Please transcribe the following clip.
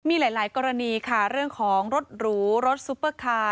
มีหลายกรณีค่ะเรื่องของรถหรูรถซุปเปอร์คาร์